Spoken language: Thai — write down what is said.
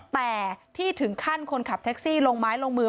แต่ที่ถึงขั้นคนขับแท็กซี่ลงไม้ลงมือ